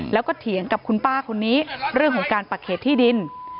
แล้วก็เถียงกับคุณป้าคนนี้เรื่องของการปักเขตที่ดิน